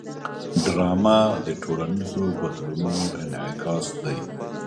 ډرامه د ټولنیزو بدلونونو انعکاس دی